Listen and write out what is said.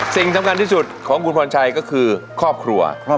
สิ่งทรัพย์กันที่สุดของคุณพรรณชัยก็คือครอบครัว